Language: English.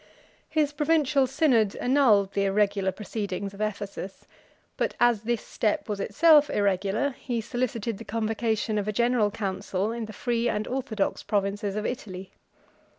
His provincial synod annulled the irregular proceedings of Ephesus; but as this step was itself irregular, he solicited the convocation of a general council in the free and orthodox provinces of Italy.